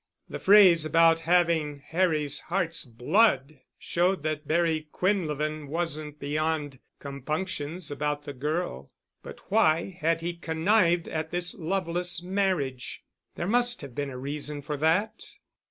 The phrase about having Harry's heart's blood showed that Barry Quinlevin wasn't beyond compunctions about the girl. But why had he connived at this loveless marriage? There must have been a reason for that.